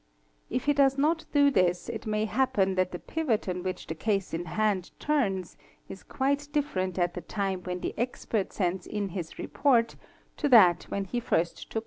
If he does not do this it may happen that the pivot on which the case in hand turns is quite different at the time when the expert sends in his report to that when he first took.